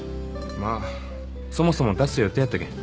まあそもそも出す予定やったけん。